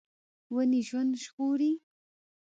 ونې ژوند ژغوري.